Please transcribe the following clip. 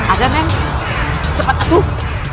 ada nen cepet patuh